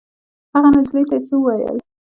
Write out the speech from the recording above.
هغې نجلۍ ته یې څه وویل.